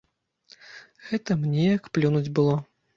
Гэта мне як плюнуць было.